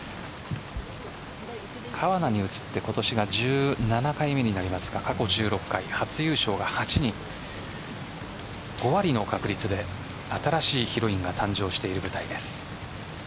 川奈に移って今年が１７回目になりますが過去１６回、初優勝が８人５割の確率で新しいヒロインが誕生している舞台です。